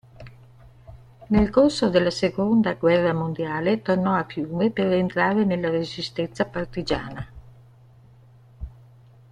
Nel corso della seconda guerra mondiale, tornò a Fiume per entrare nella resistenza partigiana.